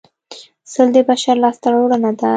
سل د بشر لاسته راوړنه ده